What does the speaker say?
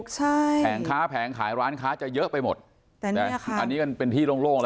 ใช่แผงค้าแผงขายร้านค้าจะเยอะไปหมดอันนี้มันเป็นที่โล่งโล่งแล้ว